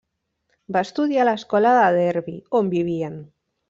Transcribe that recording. Va estudiar a l'escola de Derby, on vivien.